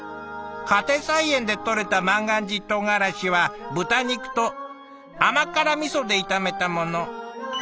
家庭菜園でとれた万願寺とうがらしは豚肉と甘辛みそで炒めたもの。